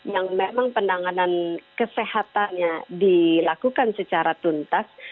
yang memang penanganan kesehatannya dilakukan secara tuntas